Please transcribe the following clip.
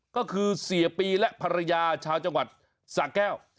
ก็คือเสียปีและภรรยาชาวจังหวัดสะแก้ว